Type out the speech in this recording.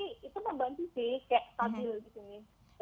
itu membantu sih